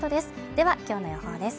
では、今日の予報です。